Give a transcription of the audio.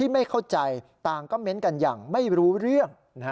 ไม่เข้าใจต่างก็เม้นต์กันอย่างไม่รู้เรื่อง